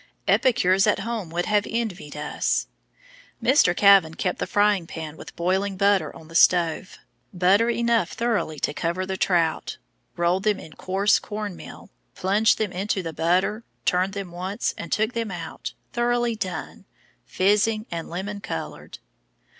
Epicures at home would have envied us. Mr. Kavan kept the frying pan with boiling butter on the stove, butter enough thoroughly to cover the trout, rolled them in coarse corn meal, plunged them into the butter, turned them once, and took them out, thoroughly done, fizzing, and lemon colored.